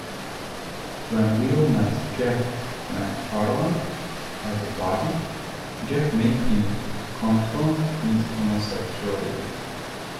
When Will met Jack McFarland at a party, Jack made him confront his homosexuality.